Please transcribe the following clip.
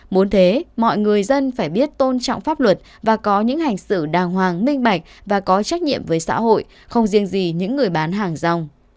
muốn thế mọi người dân phải biết tôn trọng pháp luật và có những hành xử đàng hoàng minh bạch và có trách nhiệm với xã hội không riêng gì những người bán hàng rong